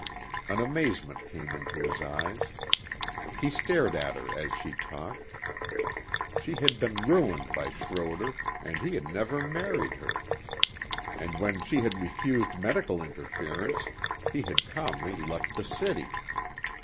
An amazement came into his eyes. He stared at her as she talked. She had been ruined by Schroder and he had never married her. And when she had refused medical interference he had calmly left the city.